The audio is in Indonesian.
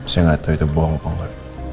saya gak tau itu bohong atau engga